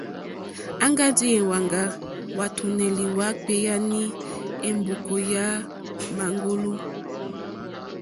Aŋga ndi hwaŋga hwàtùnèlì hwa kpeyani è mbòkò yà màŋgulu.